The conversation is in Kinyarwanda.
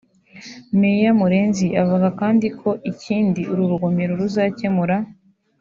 Meya Murenzi avuga kandi ko ikindi uru rugomero ruzakemura